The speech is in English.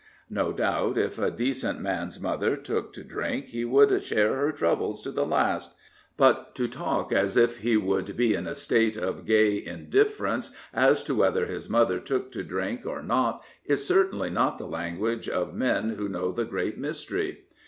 No doubt, if a decent man's mother took to drink, he would share her troubles to the last; but to talk as if he would be in a state of gay in difference as to whether his mother took to drink or not is certainly not the language of men who know the great mystery.